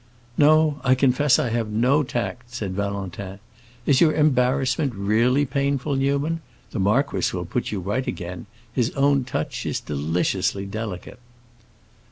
"No, I confess I have no tact," said Valentin. "Is your embarrassment really painful, Newman? The marquis will put you right again; his own touch is deliciously delicate."